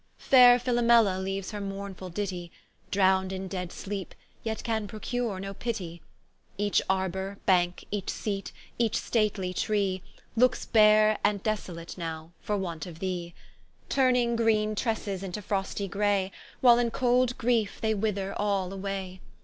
Faire Philomela leaues her mournefull Ditty, Drownd in dead sleepe, yet can procure no pittie: Each arbour, banke, each seate, each stately tree, Lookes bare and desolate now for want of thee; Turning greene tresses into frostie gray, While in cold griefe they wither all away.